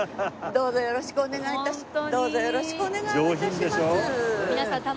どうぞよろしくお願い致します。